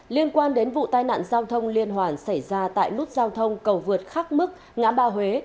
liên quan đến vụ tai nạn giao thông liên hoàn xảy ra tại nút giao thông cầu vượt khắc mức ngã ba huế